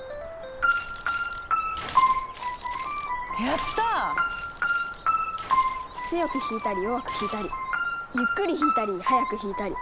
やった！強く弾いたり弱く弾いたりゆっくり弾いたり速く弾いたり。